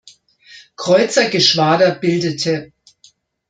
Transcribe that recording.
Kreuzergeschwader bildete.